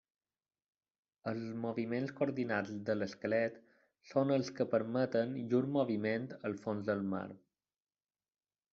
Els moviments coordinats de l'esquelet són els que permeten llur moviment al fons del mar.